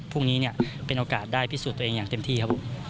พรุ่งนี้เป็นโอกาสได้พิสูจน์ตัวเองอย่างเต็มที่ครับผม